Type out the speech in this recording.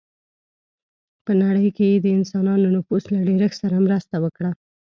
په نړۍ کې یې د انسانانو نفوس له ډېرښت سره مرسته وکړه.